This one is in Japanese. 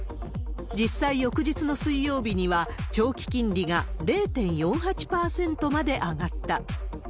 実際、翌日の水曜日には、長期金利が０．４８％まで上がった。